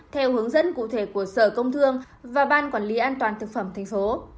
theo hướng dẫn cụ thể của sở công thương và ban quản lý an toàn thực phẩm tp